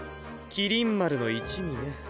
麒麟丸の一味ね。